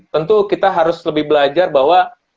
tentu kita harus lebih belajar bahwa